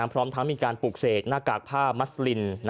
พร้อมทั้งมีการปลูกเสกหน้ากากผ้ามัสลิน